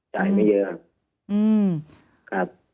จ่ายไม่เยอะครับ